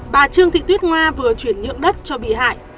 bà trương thị tuyết ngoa vừa chuyển nhượng đất cho bi hại